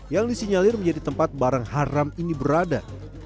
yang disinyalir menjadi tempat barang haram ini berada